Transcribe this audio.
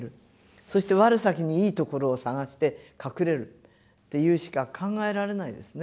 そして我先にいいところを探して隠れるっていうしか考えられないですね。